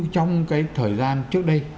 trong cái thời gian trước đây